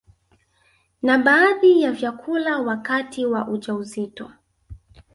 na baadhi ya vyakula wakati wa ujauzito